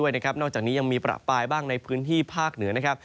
ยังมีประป้ายในพื้นที่ภาคนิว